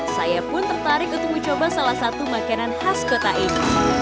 saya pun tertarik untuk mencoba salah satu makanan khas kota ini